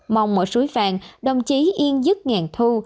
mong mọi suối phạng đồng chí yên dứt ngàn thu